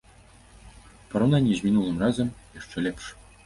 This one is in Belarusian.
У параўнанні з мінулым разам, яшчэ лепш.